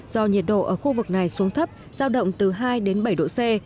do nhiệt độ ở khu vực này xuống thấp giao động từ hai đến bảy độ c